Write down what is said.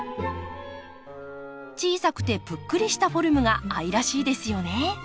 小さくてぷっくりしたフォルムが愛らしいですよね。